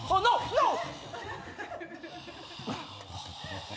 ノー！